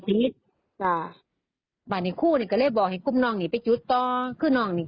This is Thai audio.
ไม่ตายนะครับอางเกียงเฉพาะได้